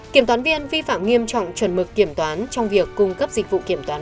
kiểm toán viên vi phạm nghiêm trọng chuẩn mực kiểm toán trong việc cung cấp dịch vụ kiểm toán